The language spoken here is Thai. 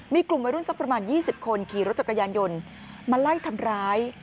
มีกลุ่มวัยรุ่นสักประมาณ๒๐คนขี่รถจักรยานยนต์มาไล่ทำร้าย